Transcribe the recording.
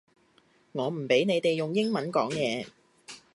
我唔畀你哋用英文講嘢